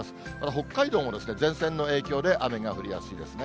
北海道も前線の影響で雨が降りやすいですね。